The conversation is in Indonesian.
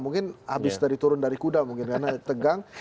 mungkin habis dari turun dari kuda mungkin karena tegang